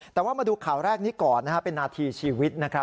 แต่ว่ามาดูข่าวแรกนี้ก่อนนะครับเป็นนาทีชีวิตนะครับ